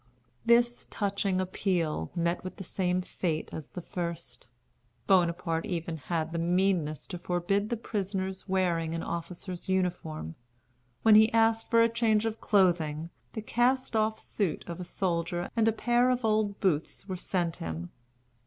This touching appeal met with the same fate as the first. Bonaparte even had the meanness to forbid the prisoner's wearing an officer's uniform. When he asked for a change of clothing, the cast off suit of a soldier and a pair of old boots were sent him.